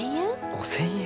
５，０００円？